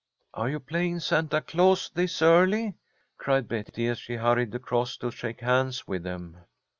"Are you playing Santa Claus this early?" cried Betty, as he hurried across to shake hands with them.